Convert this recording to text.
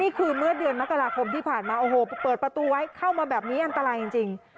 เมื่อเดือนมกราคมที่ผ่านมาโอ้โหเปิดประตูไว้เข้ามาแบบนี้อันตรายจริง